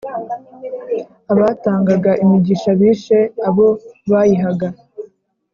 Abatangaga imigisha Bishe abo bayihaga !